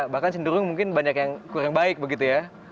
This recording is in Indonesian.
bahkan cenderung mungkin banyak yang kurang baik begitu ya